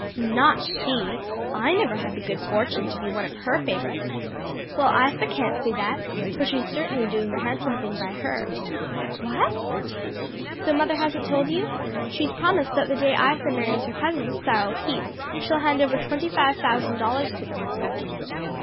"Not she! I never had the good fortune to be one of her favorites." "Well, Isa can't say that, for she's certainly doing the handsome thing by her." "What?" "So mother hasn't told you? She's promised that the day Isa marries her cousin, Cyril Keith, she'll hand over twenty five thousand dollars to them."